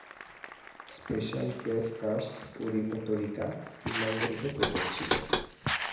Special-grade curse, Orimoto Rika, পুর্ণাঙ্গরূপে প্রকাট ছিলো।